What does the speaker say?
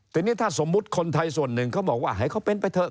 ทีนี้ถ้าสมมุติคนไทยส่วนหนึ่งเขาบอกว่าให้เขาเป็นไปเถอ